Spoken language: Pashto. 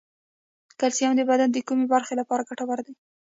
کلسیم د بدن د کومې برخې لپاره ګټور دی